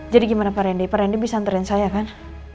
jadi gimana pak rendy pak rendy bisa ntarin saya kan